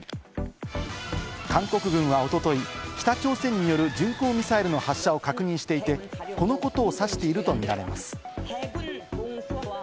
韓国軍はおととい、北朝鮮による巡航ミサイルの発射を確認していて、このことをさしていると見られます。